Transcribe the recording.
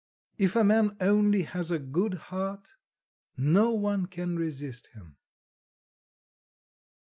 If a man only has a good heart, no one can resist him.